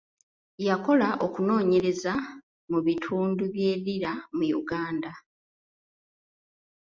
Yakola okunoonyereza mu bitundu bye Lira mu Uganda.